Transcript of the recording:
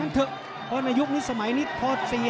หรือว่าผู้สุดท้ายมีสิงคลอยวิทยาหมูสะพานใหม่